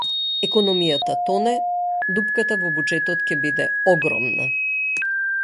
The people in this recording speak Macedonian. Економијата тоне, дупката во буџетот ќе биде огромна